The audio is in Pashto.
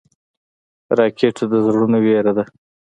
راکټ د زړونو وېره ده